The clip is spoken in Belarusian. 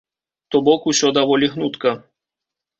То бок, усё даволі гнутка.